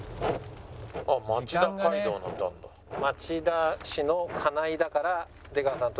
町田市の金井だから出川さん